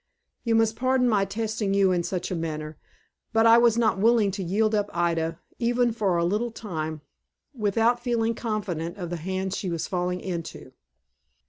You must pardon my testing you in such a manner, but I was not willing to yield up Ida, even for a little time, without feeling confident of the hands she was falling into."